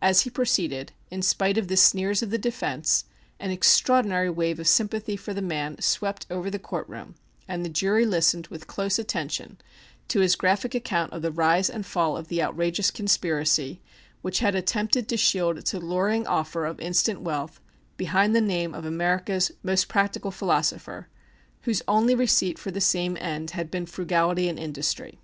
As he proceeded, in spite of the sneers of the defence, an extraordinary wave of sympathy for the man swept over the court room, and the jury listened with close attention to his graphic account of the rise and fall of the outrageous conspiracy which had attempted to shield its alluring offer of instant wealth behind the name of America's most practical philosopher, whose only receipt for the same end had been frugality and industry.